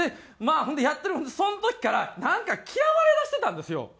まあほんでその時からなんか嫌われだしてたんですよ